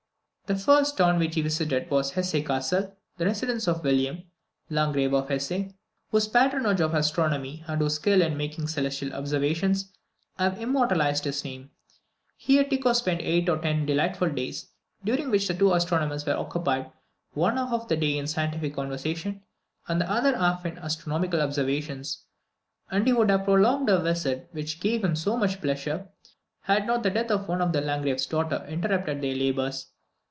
The first town which he visited was Hesse Cassel, the residence of William, Landgrave of Hesse, whose patronage of astronomy, and whose skill in making celestial observations, have immortalized his name. Here Tycho spent eight or ten delightful days, during which the two astronomers were occupied one half of the day in scientific conversation, and the other half in astronomical observations; and he would have prolonged a visit which gave him so much pleasure, had not the death of one of the Landgrave's daughters interrupted their labours.